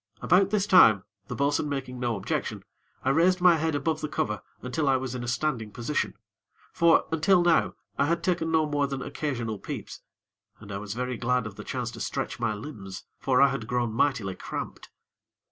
About this time, the bo'sun making no objection, I raised my head above the cover until I was in a standing position; for, until now, I had taken no more than occasional peeps; and I was very glad of the chance to stretch my limbs; for I had grown mightily cramped.